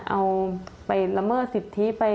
เอาไปละเมอสิบทีไป